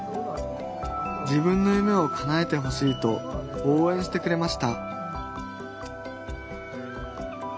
自分の夢をかなえてほしいとおうえんしてくれました